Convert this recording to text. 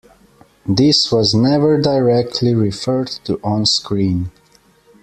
This was never directly referred to on screen.